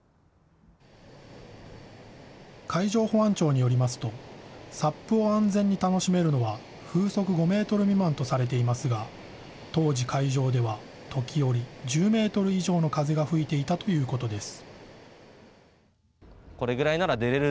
海上保安庁によりますと、ＳＵＰを安全に楽しめるのは、風速５メートル未満とされていますが、当時、海上では時折、１０メートル以上の風が吹いていたということです。